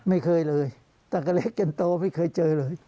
ไม่เคยเลยตั้งแต่เล็กจนโตไม่เคยเจอเลย